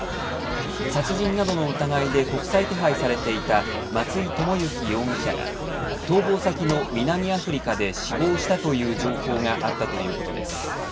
殺人などの疑いで国際手配されていた松井知行容疑者が逃亡先の南アフリカで死亡したという情報があったということです。